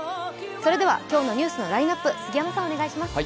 それでは今日のニュースのラインナップ、杉山さん，お願いします。